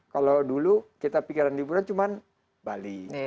kalau dulu kita pikiran liburan cuman bali